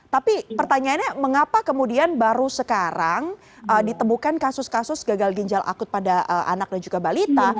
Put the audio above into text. tapi pertanyaannya mengapa kemudian baru sekarang ditemukan kasus kasus gagal ginjal akut pada anak dan juga balita